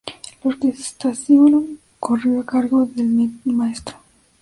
La orquestación corrió a cargo del Mtro.